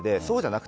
なく